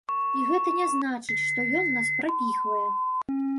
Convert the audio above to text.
І гэта не значыць, што ён нас прапіхвае.